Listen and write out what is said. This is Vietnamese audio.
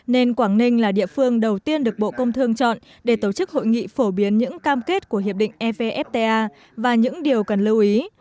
nên quảng ninh là địa phương đầu tiên được bộ công thương chọn để tổ chức hội nghị phổ biến những cam kết của hiệp định evfta và những điều cần lưu ý